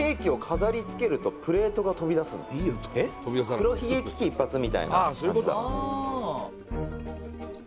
「黒ひげ危機一発みたいな感じだ」